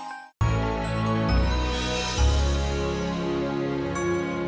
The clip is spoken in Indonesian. ini rumah sempit sekali